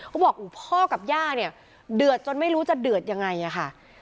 เขาบอกพ่อกับย่าเนี่ยเดือดจนไม่รู้จะเดือดยังไงอะค่ะ